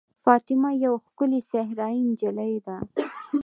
فاطمه یوه ښکلې صحرايي نجلۍ ده.